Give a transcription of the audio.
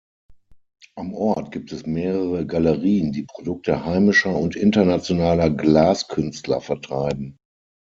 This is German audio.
Am Ort gibt es mehrere Galerien, die Produkte heimischer und internationaler Glaskünstler vertreiben.